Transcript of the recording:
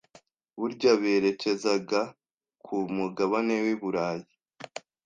Burya berekeza ga ku mugabane w’i Burayi.